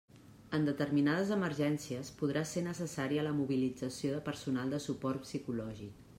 En determinades emergències, podrà ser necessària la mobilització de personal de suport psicològic.